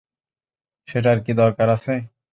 সেটার কি দরকার আছে?